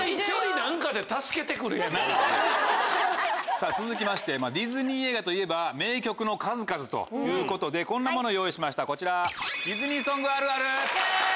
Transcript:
さぁ続きましてディズニー映画といえば名曲の数々ということでこんなもの用意しましたこちら。